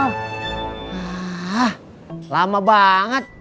hah lama banget